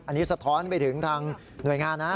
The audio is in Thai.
อันนี้สะท้อนไปถึงทางหน่วยงานนะ